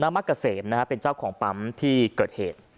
มักเกษมนะฮะเป็นเจ้าของปั๊มที่เกิดเหตุ